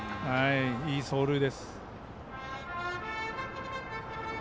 いい走塁です。